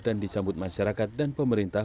dan disambut masyarakat dan pemerintah